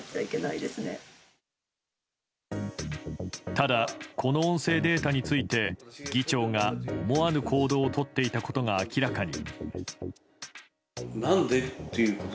ただ、この音声データについて議長が、思わぬ行動をとっていたことが明らかに。